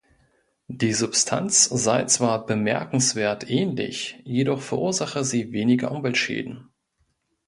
Die Substanz sei zwar „bemerkenswert ähnlich“, jedoch verursache sie „weniger Umweltschäden“.